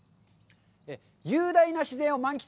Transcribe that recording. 「雄大な自然を満喫！